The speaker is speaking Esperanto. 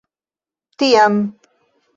tiam